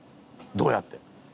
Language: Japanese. どうやって？